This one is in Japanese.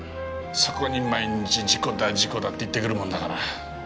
そこに毎日事故だ事故だって言ってくるもんだから。